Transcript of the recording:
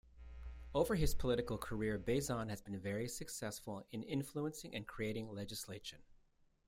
Over his political career, Bezan has been very successful in influencing and creating legislation.